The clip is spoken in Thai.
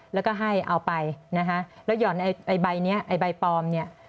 แล้วก็ให้เอาไปนะฮะแล้วย่อนใบนี้ใบปลอมนี้